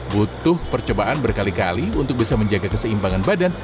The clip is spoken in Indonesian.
butuh percobaan berkali kali untuk bisa menjaga keseimbangan badan